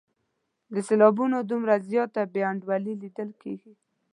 د سېلابونو دومره زیاته بې انډولي لیدل کیږي.